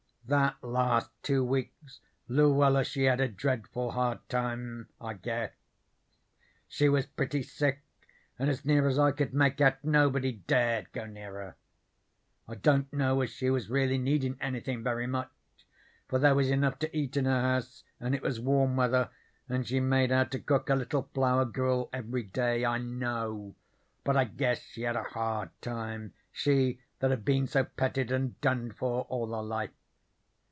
"That last two weeks Luella she had a dreadful hard time, I guess. She was pretty sick, and as near as I could make out nobody dared go near her. I don't know as she was really needin' anythin' very much, for there was enough to eat in her house and it was warm weather, and she made out to cook a little flour gruel every day, I know, but I guess she had a hard time, she that had been so petted and done for all her life.